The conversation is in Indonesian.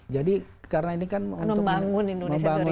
jadi karena ini kan untuk membangun indonesia dari pinggir kan kita ya